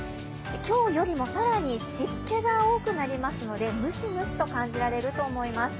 今日よりも更に湿気が多くなりますのでムシムシと感じられると思います。